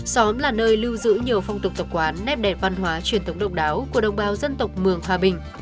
xóm là nơi lưu giữ nhiều phong tục tập quán nét đẹp văn hóa truyền thống độc đáo của đồng bào dân tộc mường hòa bình